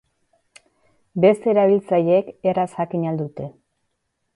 Beste erabiltzaileek erraz jakin ahal dute.